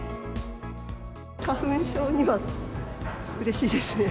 花粉症にはうれしいですね。